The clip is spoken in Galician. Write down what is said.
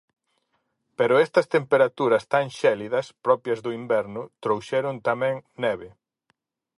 Pero estas temperaturas tan xélidas propias do inverno trouxeron tamén neve.